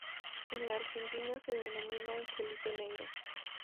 En la Argentina se denomina angelito negro.